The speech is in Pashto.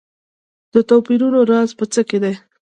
د توپیرونو راز په څه کې دی.